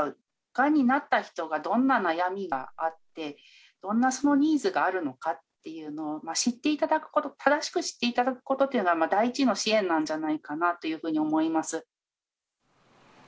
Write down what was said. がんになった人がどんな悩みがあって、どんなニーズがあるのかっていうのを知っていただくこと、正しく知っていただくことっていうのが第一の支援なんじゃないかなというふうに思います。